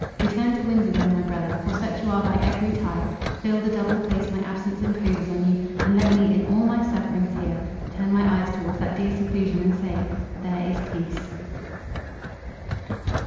Return to Windsor then, my brother; for such you are by every tie—fill the double place my absence imposes on you, and let me, in all my sufferings here, turn my eyes towards that dear seclusion, and say—There is peace."